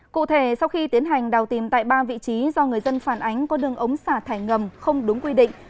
cụ thể sau khi tiến hành đào tìm tại ba vị trí do người dân phản ánh có đường ống xả thải ngầm không đúng quy định